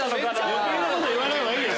余計なこと言わない方がいいよ